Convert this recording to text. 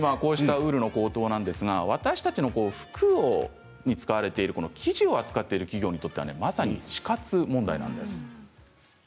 ウールの高騰は私たちの服に使われている基準を使って企業にとってはまさに死活問題なんです。